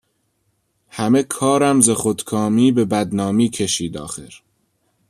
همه کارم ز خود کامی به بدنامی کشید آخر